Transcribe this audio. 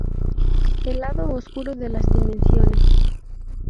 El Lado Oscuro de las Dimensiones".